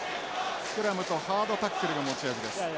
スクラムとハードタックルが持ち味です。